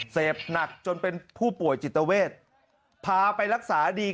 เสพหนักจนเป็นผู้ป่วยจิตเวทพาไปรักษาดี